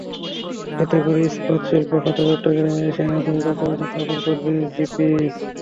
এতে করে ইস্পাত শিল্প খাতে চট্টগ্রামে এশিয়ায় আধুনিক যন্ত্রপাতি স্থাপন করবে জিপিএইচ।